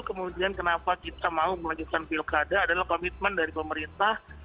kemudian kenapa kita mau melanjutkan pilkada adalah komitmen dari pemerintah